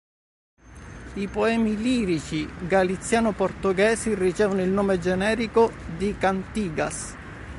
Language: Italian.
I poemi lirici galiziano-portoghesi ricevono il nome generico di cantigas.